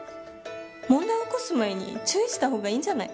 問題起こす前に注意した方がいいんじゃない？